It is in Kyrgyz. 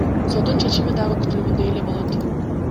Соттун чечими дагы күтүлгөндөй эле болот.